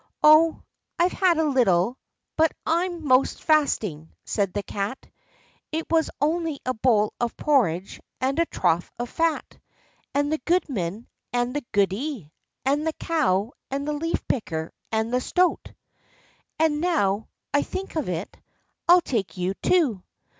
"Oh, I've had a little, but I'm 'most fasting," said the Cat; "it was only a bowl of porridge, and a trough of fat, and the goodman, and the goody, and the cow, and the leaf picker, and the stoat—and, now I think of it, I'll take you too."